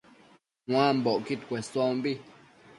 Nuambocquid cuesombi